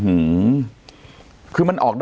อุ้มิทัศน์มันก็มองรถนี่